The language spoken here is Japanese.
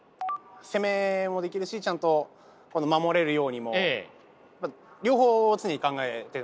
攻めもできるしちゃんと守れるようにも両方常に考えていましたね。